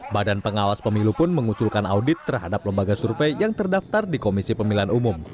badan pengawas pemilu pun mengusulkan audit terhadap lembaga survei yang terdaftar di komisi pemilihan umum